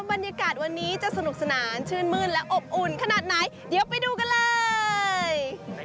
บรรยากาศวันนี้จะสนุกสนานชื่นมื้นและอบอุ่นขนาดไหนเดี๋ยวไปดูกันเลย